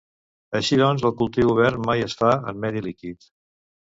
Així doncs el cultiu obert mai es fa en medi líquid.